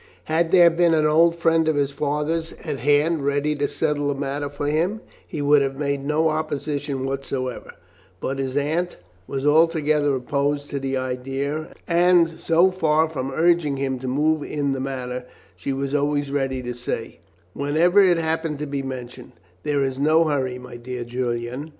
Had there been an old friend of his father's at hand ready to settle the matter for him he would have made no opposition whatever, but his aunt was altogether opposed to the idea, and so far from urging him to move in the matter she was always ready to say, whenever it happened to be mentioned, "There is no hurry, my dear Julian.